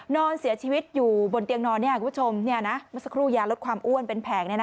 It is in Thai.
นอนเสียชีวิตอยู่บนเตียงนอนคุณผู้ชมเมื่อสักครู่ยาลดความอ้วนเป็นแผง